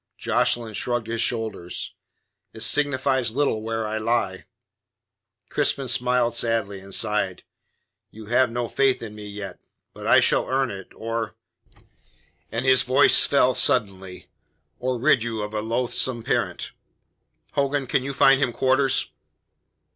Jocelyn shrugged his shoulders. "It signifies little where I lie." Crispin smiled sadly, and sighed. "You have no faith in me yet. But I shall earn it, or" and his voice fell suddenly "or rid you of a loathsome parent. Hogan, can you find him quarters?"